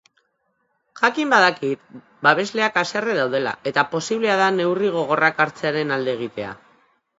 Jakin badakit babesleak haserre daudela eta posiblea da neurri gogorrak hartzearen alde egitea.